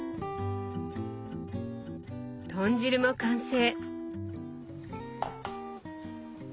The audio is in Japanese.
豚汁も完成。